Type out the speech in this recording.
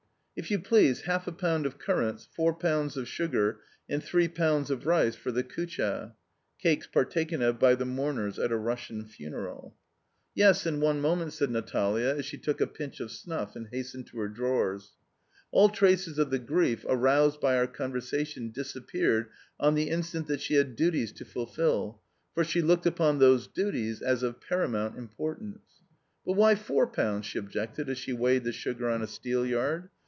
"If you please, half a pound of currants, four pounds of sugar, and three pounds of rice for the kutia." [Cakes partaken of by the mourners at a Russian funeral.] "Yes, in one moment," said Natalia as she took a pinch of snuff and hastened to her drawers. All traces of the grief, aroused by our conversation disappeared on, the instant that she had duties to fulfil, for she looked upon those duties as of paramount importance. "But why FOUR pounds?" she objected as she weighed the sugar on a steelyard.